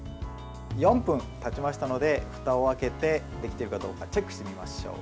４分たちましたのでふたを開けてできているかどうかチェックしてみましょう。